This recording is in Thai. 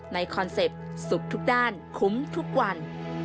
คอนเซ็ปต์สุขทุกด้านคุ้มทุกวัน